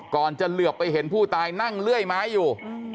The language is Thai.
ก่อนจะเหลือไปเห็นผู้ตายนั่งเลื่อยไม้อยู่